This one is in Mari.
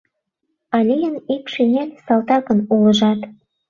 А лийын ик шинель салтакын улыжат.